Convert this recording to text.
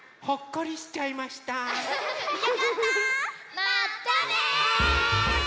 まったね！